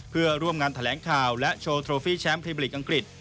เพื่อร่วมงานแถลงข่าวและโชว์โทฟี่แชมป์พรีมลีกอังกฤษ